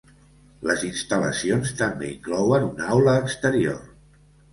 Les instal·lacions també inclouen un aula exterior.